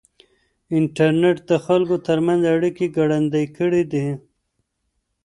انټرنېټ د خلکو ترمنځ اړیکې ګړندۍ کړې دي.